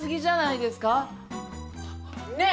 ねえ？